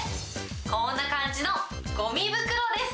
こんな感じのごみ袋です。